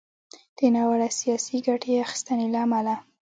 د ناوړه “سياسي ګټې اخيستنې” له امله